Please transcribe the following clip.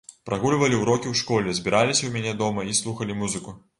Прагульвалі урокі ў школе, збіраліся ў мяне дома і слухалі музыку.